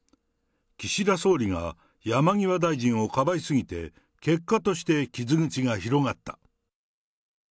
岸田総理が山際大臣をかばい過ぎて、結果として傷口が広がった。